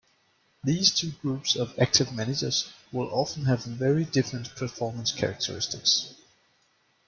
These two groups of active managers will often have very different performance characteristics.